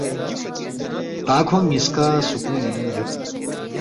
تا کھونگ نِ٘یسکا سکُولِنگ یود